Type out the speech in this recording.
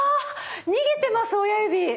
逃げてます親指！